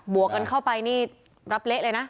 วกกันเข้าไปนี่รับเละเลยนะ